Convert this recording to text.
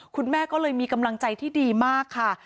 คุณแม่ก็เลยมีกำลังใจที่ดีมากค่ะ